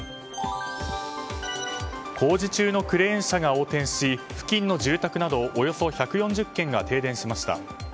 工事中のクレーン車が横転し付近の住宅などおよそ１４０軒が停電しました。